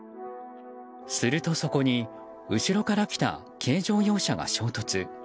すると、そこに後ろから来た軽乗用車が衝突。